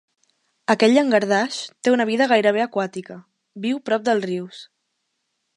Aquest llangardaix té una vida gairebé aquàtica, viu prop dels rius.